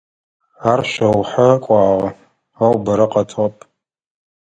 Ар шъоухьэ кӀуагъэ, ау бэрэ къэтыгъэп.